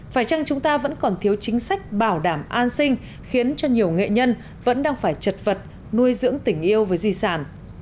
phải chăng chúng ta vẫn còn thiếu chính sách bảo đảm an sinh khiến cho nhiều nghệ nhân vẫn đang phải chật vật nuôi dưỡng tình yêu với di sản